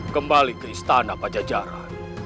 kembali ke istana pajajara